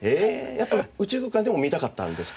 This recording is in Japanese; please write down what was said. やっぱり宇宙空間でも見たかったんですか？